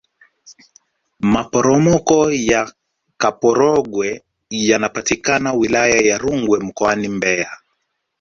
maporomoko ya kaporogwe yanapatikana wilaya ya rungwe mkoani mbeya